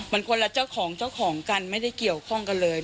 มันคนละเจ้าของเจ้าของกันไม่ได้เกี่ยวข้องกันเลย